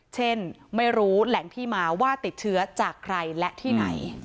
เช่นไม่รู้แหล่งที่มาว่าติดเชื้อจากใครและที่ไหน